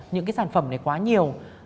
những sản phẩm này quá nhiều